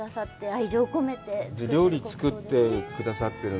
愛情を込めて作ってくださっていて。